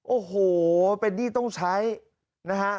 โอ้โหเป็นหนี้ต้องใช้นะฮะ